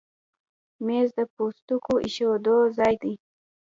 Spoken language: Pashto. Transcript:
مېز د پوستکو ایښودو ځای دی.